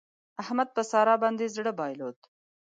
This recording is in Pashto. احمد په سارا باندې زړه بايلود.